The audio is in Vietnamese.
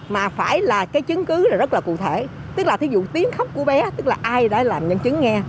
mà phải là cái chứng cứ là rất là cụ thể tức là thí dụ tiếng khóc của bé tức là ai đã làm nhân chứng nghe